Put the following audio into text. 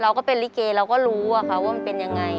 ก็เป็นลิเกเราก็รู้ว่ามันเป็นยังไง